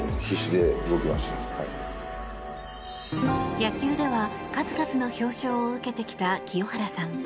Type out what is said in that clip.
野球では数々の表彰を受けてきた清原さん。